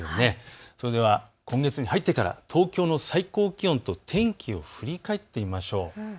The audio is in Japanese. それでは今月に入ってから東京の最高気温と天気を振り返ってみましょう。